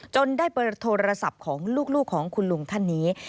ได้โทรศัพท์ของลูกของคุณลุงท่านนี้